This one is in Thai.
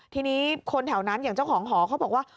ทีนี้คนแถวนั้นอย่างเจ้าของหอเขาบอกว่า